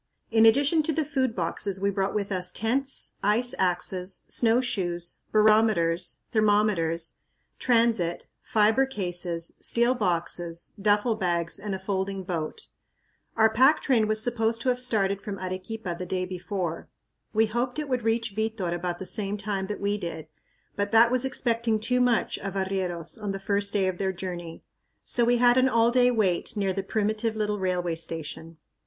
In addition to the food boxes we brought with us tents, ice axes, snowshoes, barometers, thermometers, transit, fiber cases, steel boxes, duffle bags, and a folding boat. Our pack train was supposed to have started from Arequipa the day before. We hoped it would reach Vitor about the same time that we did, but that was expecting too much of arrieros on the first day of their journey. So we had an all day wait near the primitive little railway station.